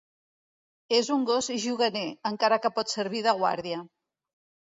És un gos juganer, encara que pot servir de guàrdia.